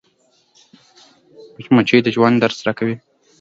مچمچۍ د ژوند درس راکوي